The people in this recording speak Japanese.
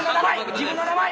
自分の名前！